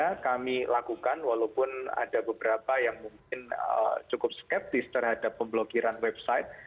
yang kami lakukan walaupun ada beberapa yang mungkin cukup skeptis terhadap pemblokiran website